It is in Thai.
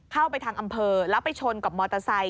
เข้าไปทางอำเภอแล้วไปชนกับมอเตอร์ไซค